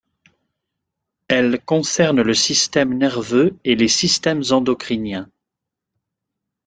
Elle concerne le système nerveux et les systèmes endocriniens.